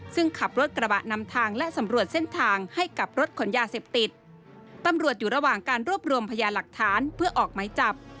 ซึ่งขับรถกระบะนำทางและสำรวจเส้นทางให้กับรถขนยาเสพติดตำรวจอยู่ระหว่างการรวบรวมพยานหลักฐานเพื่อออกหมายจับ